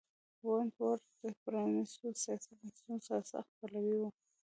ونټ ورت د پرانیستو سیاسي بنسټونو سرسخت پلوی و.